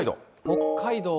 北海道は。